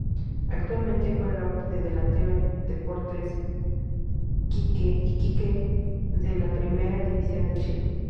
Actualmente juega de delantero en Deportes Iquique de la Primera División de Chile.